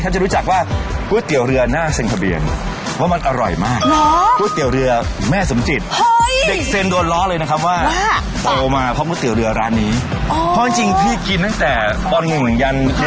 ก็จะรู้จักว่าก๋วยเตี๋ยวเรือน่าเสนคเผย์